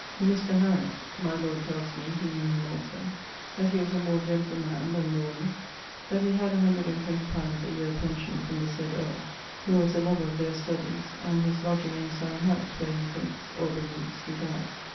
Mr. Harriott; my lord tells me, he knew him also: that he was a more gentile man, then Warner. That he had 120 li. a yeare pention from the said earle (who was a louer of ther studyes) and his lodging in Syon howse, where he thinks, or beliues, he dyed.